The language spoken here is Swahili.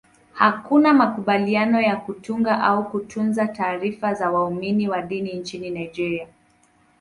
Hakuna makubaliano ya kutunga au kutunza taarifa za waumini wa dini nchini Nigeria.